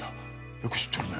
よく知ってるね。